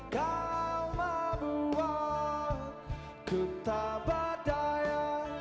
kau membuatku tak berdaya